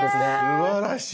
すばらしい！